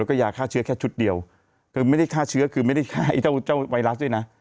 แล้วก็ยาฆ่าเชื้อแค่ชุดเดียวคือไม่ได้ฆ่าเชื้อคือไม่ได้ฆ่าไอ้เจ้าเจ้าไวรัสด้วยนะ